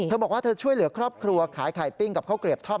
บอกว่าเธอช่วยเหลือครอบครัวขายไข่ปิ้งกับข้าวเกลียบทอด